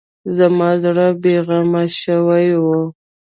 زما زړه بې غمه شوی و.